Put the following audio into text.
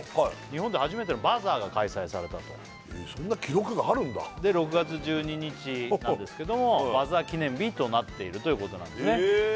日本で初めてのバザーが開催されたとそんな記録があるんだで６月１２日なんですけどもバザー記念日となっているということなんですね